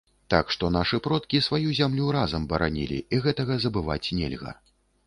Так што нашы продкі сваю зямлю разам баранілі, і гэтага забываць нельга.